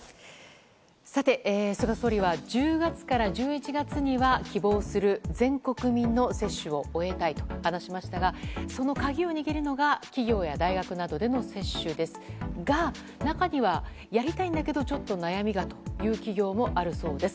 菅総理は、１０月から１１月には希望する全国民の接種を終えたいと話しましたがその鍵を握るのが企業や大学などでの接種ですが中にはやりたいんだけどちょっと悩みがといった企業もあるそうです。